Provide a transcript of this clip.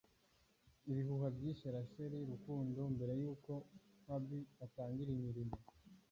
Ibihuha byishe Rachel Rukundo mbere yuko hubby atangira imirimo